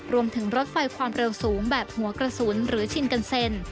รถไฟความเร็วสูงแบบหัวกระสุนหรือชินกันเซ็น